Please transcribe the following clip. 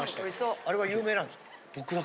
あれは有名なんですか？